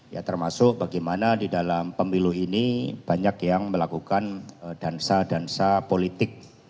ya termasuk bagaimana di dalam pemilu ini banyak yang melakukan dansa dansa politik